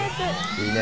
いいね。